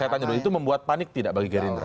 saya tanya dulu itu membuat panik tidak bagi gerindra